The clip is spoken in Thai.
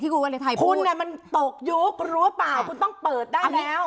คุณมันตกยุครู้เปล่าคุณต้องเปิดได้แล้ว